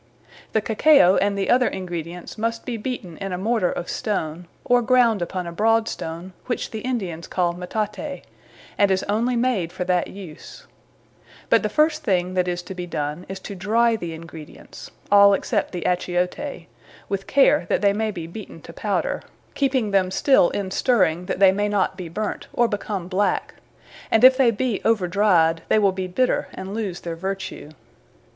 _ The Cacao, and the other Ingredients must be beaten in a Morter of Stone, or ground upon a broad stone, which the Indians call Metate, and is onely made for that use: But the first thing that is to be done, is to dry the Ingredients, all except the Achiote; with care that they may be beaten to powder, keeping them still in stirring, that they be not burnt, or become black; and if they be over dried, they will be bitter, and lose their vertue.